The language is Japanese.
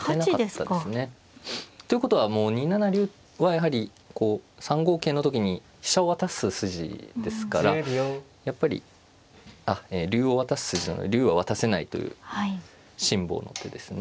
ということはもう２七竜はやはりこう３五桂の時に飛車を渡す筋ですからやっぱりあっ竜を渡す筋なので竜は渡せないという辛抱の手ですね。